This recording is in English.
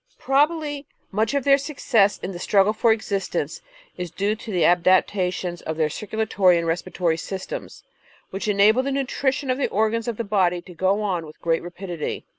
Probably much of their success in the struggle for existence is due to the adaptations of their circulatory and respiratory systems, which enable the nutrition of the organs of the body to go on with great rapidity.